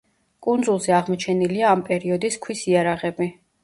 კუნძულზე აღმოჩენილია ამ პერიოდის ქვის იარაღები.